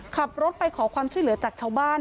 ขับรถไปขอความช่วยเหลือจากชาวบ้าน